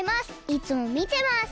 いつもみてます！